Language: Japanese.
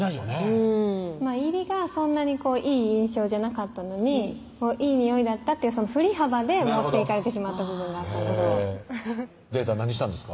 うん入りがそんなにいい印象じゃなかったのにいいにおいだったっていう振り幅で持っていかれてしまった部分があったデートは何したんですか？